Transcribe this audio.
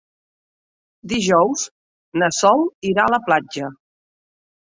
Dijous na Sol irà a la platja.